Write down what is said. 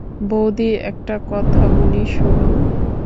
বউদি, একটা কথা বলি শোনো।